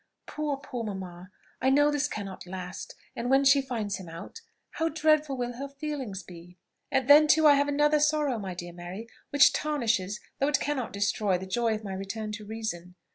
Poor, poor mamma! I know this cannot last; and when she finds him out how dreadful will her feelings be! "Then, too, I have another sorrow, my dear Mary, which tarnishes, though it cannot destroy, the joy of my return to reason.